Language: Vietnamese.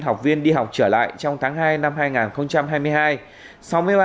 học viên đi học trở lại trong tháng hai năm hai nghìn hai mươi hai